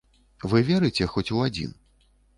Вы верыце хоць у адзін?